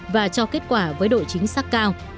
và cho kết quả với độ chính xác cao